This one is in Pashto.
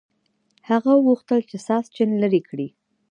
هغه غوښتل چې ساسچن لرې کړي.